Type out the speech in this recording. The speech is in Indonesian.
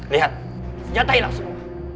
lihat senjatai langsung